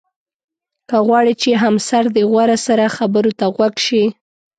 که غواړې چې همسر دې غور سره خبرو ته غوږ شي.